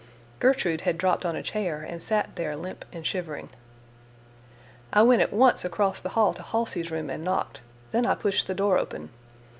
Gertrude had dropped on a chair and sat there limp and shivering. I went at once across the hall to Halsey's room and knocked; then I pushed the door open.